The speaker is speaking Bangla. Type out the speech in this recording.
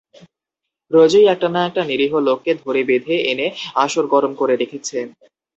রোজই একটা-না-একটা নিরীহ লোককে ধরে বেঁধে এনে আসর গরম করে রেখেছে।